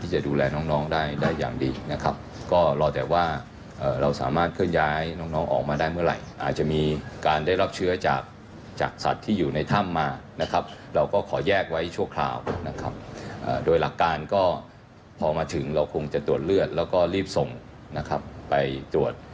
เชื่อว่าเด็กเขาก็มีไฟฉายติดตัวมาอยู่แล้ว